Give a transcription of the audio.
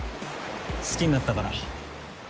好きになったから。